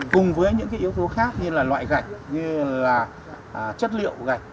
cùng với những yếu tố khác như loại gạch như chất liệu gạch